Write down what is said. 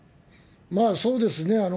まあそうですね。